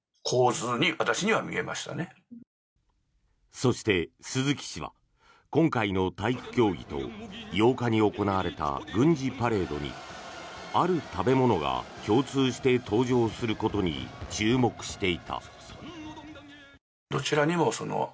そして、鈴木氏は今回の体育競技と８日に行われた軍事パレードにある食べ物が共通して登場することに注目していた。